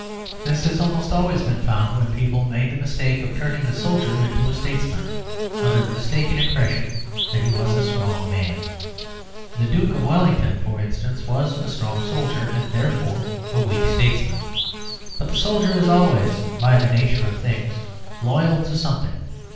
This has almost always been found when people made the mistake of turning the soldier into a statesman, under the mistaken impression that he was a strong man. The Duke of Wellington, for instance, was a strong soldier and therefore a weak statesman. But the soldier is always, by the nature of things, loyal to something.